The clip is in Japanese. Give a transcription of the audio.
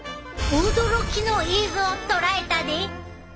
驚きの映像を捉えたで！